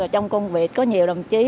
trong công việc có nhiều đồng chí